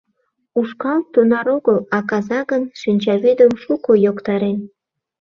Ушкал тунар огыл, а каза гын шинчавӱдым шуко йоктарен...».